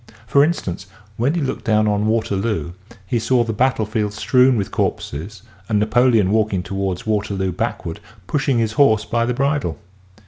For instance when he looked down on Waterloo he saw the battle field strewn with corpses and Napoleon walking toward Waterloo backward pushing his horse by the bridle.